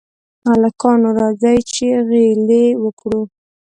هلکانو! راځئ چې غېلې وکړو.